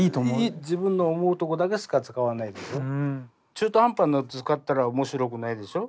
中途半端なの使ったらおもしろくないでしょ。